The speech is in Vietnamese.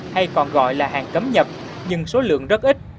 hay còn gọi là hàng cấm nhập nhưng số lượng rất ít